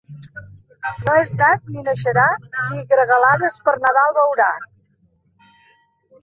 No és nat ni naixerà qui gregalades per Nadal veurà.